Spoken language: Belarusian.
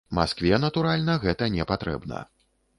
Маскве, натуральна, гэта не патрэбна.